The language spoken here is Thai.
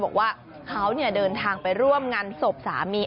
บอกว่าเขาเดินทางไปร่วมงานศพสามี